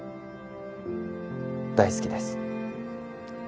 大好きです